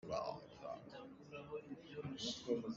Kan ram ahcun naubawm cu tlah in an tuah.